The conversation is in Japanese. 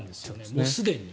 もうすでに。